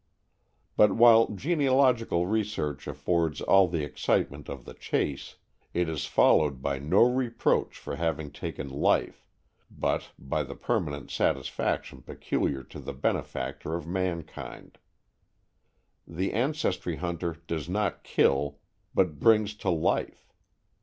But while genealogical research affords all the excitement of the chase, it is followed by no reproach for having taken life, but by the permanent satisfaction peculiar to the benefactor of mankind. The ancestry hunter does not kill, but brings to life.